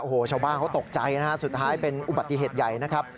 โอ้โหชาวบ้านเขาตกใจนะฮะสุดท้ายเป็นอุบัติเหตุใหญ่นะครับ